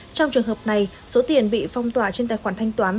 trong trường hợp này số tiền bị phong tỏa trên tài khoản thanh toán